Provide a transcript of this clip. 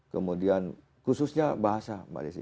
kemudian khususnya bahasa